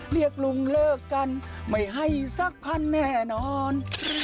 เรียกลุงเลิกกันไม่ให้สักพันแน่นอน